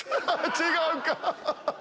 違うか！